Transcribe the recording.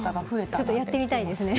ちょっとやってみたいですね。